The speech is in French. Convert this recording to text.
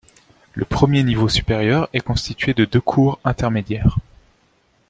Le premier niveau supérieur est constitué de deux cours intermédiaires.